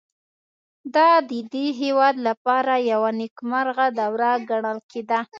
دا د دې هېواد لپاره یوه نېکمرغه دوره ګڼل کېده